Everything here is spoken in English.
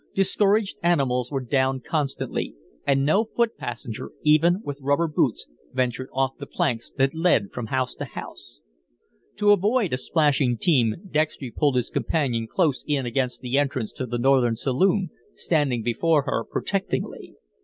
Discouraged animals were down constantly, and no foot passenger, even with rubber boots, ventured off the planks that led from house to house. To avoid a splashing team, Dextry pulled his companion close in against the entrance to the Northern saloon, standing before her protectingly.